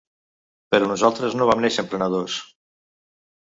Però nosaltres no vam néixer emprenedors.